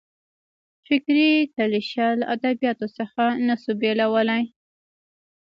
فکري کلیشه له ادبیاتو څخه نه سو بېلولای.